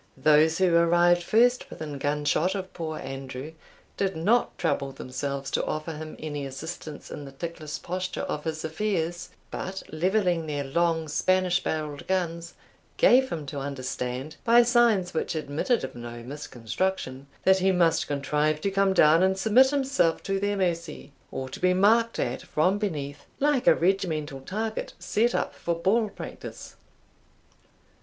Those who arrived first within gunshot of poor Andrew, did not trouble themselves to offer him any assistance in the ticklish posture of his affairs, but levelling their long Spanish barrelled guns, gave him to understand, by signs which admitted of no misconstruction, that he must contrive to come down and submit himself to their mercy, or to be marked at from beneath, like a regimental target set up for ball practice.